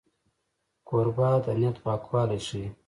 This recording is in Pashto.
کوربه د نیت پاکوالی ښيي.